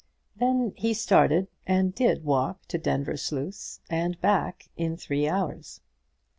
Then he started, and did walk to Denvir Sluice and back in three hours.